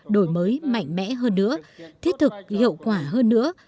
đổi mới mạnh mẽ hơn nữa thiết thực hiệu quả hơn nữa